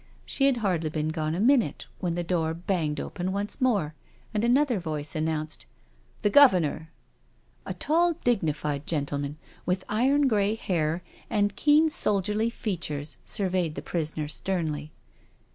She had hardly been gone a minute when the door banged open once more, and another voice announced : ••The Governor I" A tall, dignified gentleman, with iron grey hair and keen soldierly features, surveyed the prisoner sternly.